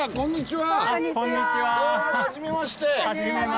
はじめまして。